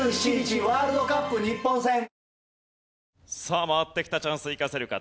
さあ回ってきたチャンス生かせるか？